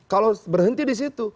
kalau berhenti di situ